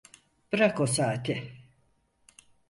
Bırak o saati…